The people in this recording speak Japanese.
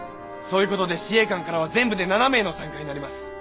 そういう事で試衛館からは全部で７名の参加になります。